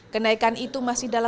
kenaikan itu masih berjalan